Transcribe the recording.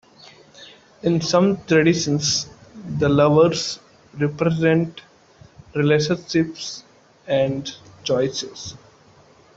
In some traditions, the Lovers represent relationships and choices.